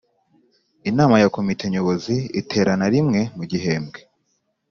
Inama ya Komite Nyobozi iterana rimwe mu gihembwe